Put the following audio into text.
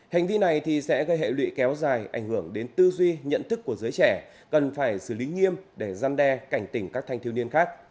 hành vi này sẽ gây hệ lụy kéo dài ảnh hưởng đến tư duy nhận thức của giới trẻ cần phải xử lý nghiêm để gian đe cảnh tỉnh các thanh thiếu niên khác